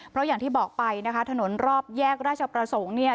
เพราะอย่างที่บอกไปนะคะถนนรอบแยกราชประสงค์เนี่ย